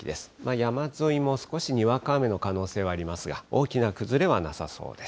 山沿いも少しにわか雨の可能性はありますが、大きな崩れはなさそうです。